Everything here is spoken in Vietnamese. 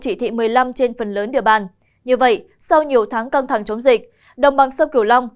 chỉ thị một mươi năm trên phần lớn địa bàn như vậy sau nhiều tháng căng thẳng chống dịch đồng bằng sông cửu long